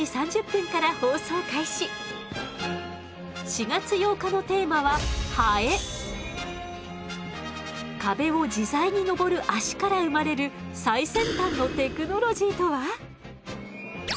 ４月８日のテーマは壁を自在に登る脚から生まれる最先端のテクノロジーとは？